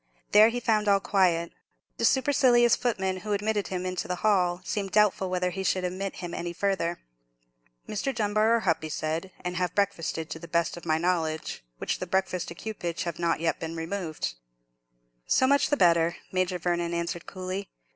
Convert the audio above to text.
There he found all very quiet. The supercilious footman who admitted him to the hall seemed doubtful whether he should admit him any farther. "Mr. Dunbar are hup," he said; "and have breakfasted, to the best of my knowledge, which the breakfast ekewpage have not yet been removed." "So much the better," Major Vernon answered, coolly.